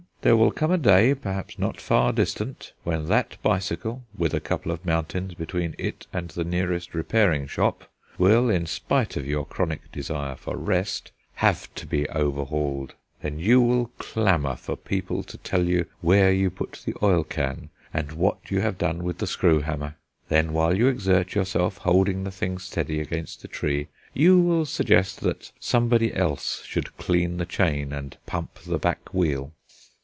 There will come a day, perhaps not far distant, when that bicycle, with a couple of mountains between it and the nearest repairing shop, will, in spite of your chronic desire for rest, have to be overhauled. Then you will clamour for people to tell you where you put the oil can, and what you have done with the screw hammer. Then, while you exert yourself holding the thing steady against a tree, you will suggest that somebody else should clean the chain and pump the back wheel."